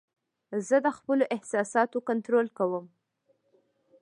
زه د خپلو احساساتو کنټرول کوم.